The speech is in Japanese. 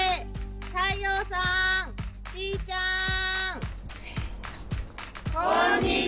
太陽さんしーちゃん。